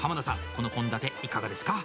この献立いかがですか？